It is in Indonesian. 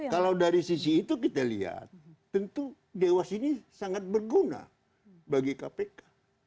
kalau dari sisi itu kita lihat tentu dewas ini sangat berguna bagi kpk